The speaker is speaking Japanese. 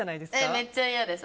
めっちゃ嫌です。